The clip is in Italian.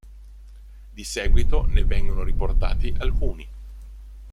Di seguito ne vengono riportati alcuni.